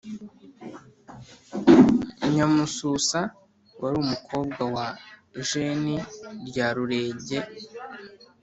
Nyamususa, wari umukobwa wa Jeni rya Rurenge,